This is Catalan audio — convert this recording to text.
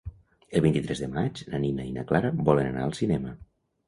El vint-i-tres de maig na Nina i na Clara volen anar al cinema.